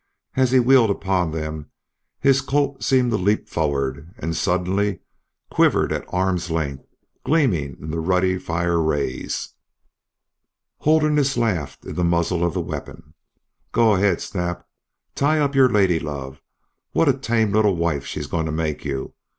As he wheeled upon them his Colt seemed to leap forward, and suddenly quivered at arm's length, gleaming in the ruddy fire rays. Holderness laughed in the muzzle of the weapon. "Go ahead, Snap, tie up your lady love. What a tame little wife she's going to make you!